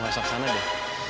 gak bisa kesana deh